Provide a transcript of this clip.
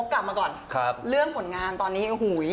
เอาให้มงค์ก็โอก๑ก่อนเรื่องผลงานตอนนี้